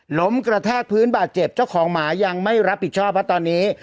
ล้มกระแทกพื้นบาดเจ็บเจ้าของหมายังไม่รับผิดชอบเพราะตอนนี้